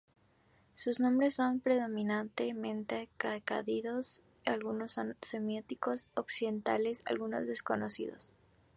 Sus nombres son predominantemente acadios; algunos son semíticos occidentales, algunos desconocidos.